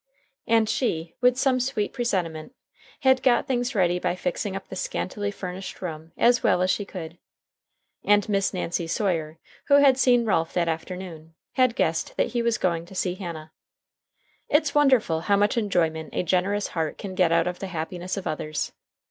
And she, with some sweet presentiment, had got things ready by fixing up the scantily furnished room as well as she could. And Miss Nancy Sawyer, who had seen Ralph that afternoon, had guessed that he was going to see Hannah. It's wonderful how much enjoyment a generous heart can get out of the happiness of others.